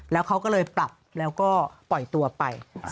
แล้วเขาก็เลยปรับแล้วก็ปล่อยตัวไป